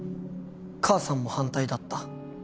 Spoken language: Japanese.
母さんも反対だった。